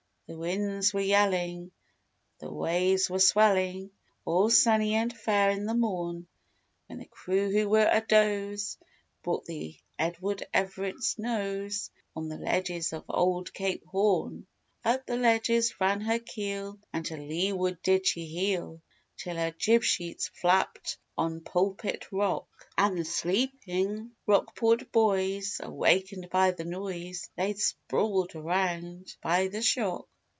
The winds were yelling, the waves were swelling All sunny and fair in the morn, When the crew who were adoze, brought the Edward Everett's nose On the ledges of Old Cape Horn. Up the ledges ran her keel, and to leeward did she heel, Till her jib sheets flapped on Pulpit Rock; And the sleeping Rockport boys awakened by the noise, Laid sprawled around by the shock.